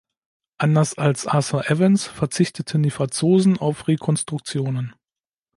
Anders als Arthur Evans verzichteten die Franzosen auf Rekonstruktionen.